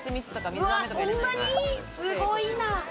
そんなにすごいな。